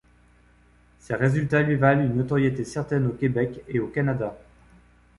Ces résultats lui valent une notoriété certaine au Québec et au Canada.